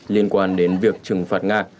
liên quan đến việc trừng phạt nga